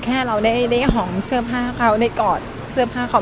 แค่เราได้หอมเสื้อผ้าเขาได้กอดเสื้อผ้าเขา